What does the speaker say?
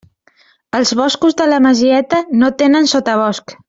Els boscos de la Masieta no tenen sotabosc.